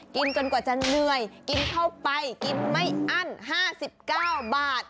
กินจนกว่าจะเหนื่อยกินเข้าไปกินไม่อั้น๕๙บาท